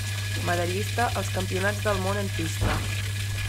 Medallista als Campionats del món en pista.